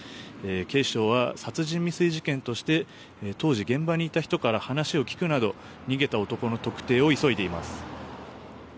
警視庁は殺人未遂事件として当時、現場にいた人から話を聞くなど逃げた男の特定を急いでいます。